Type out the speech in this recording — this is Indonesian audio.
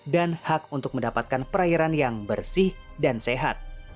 dan hak untuk mendapatkan perairan yang bersih dan sehat